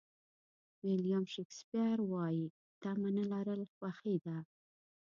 ویلیام شکسپیر وایي تمه نه لرل خوښي ده.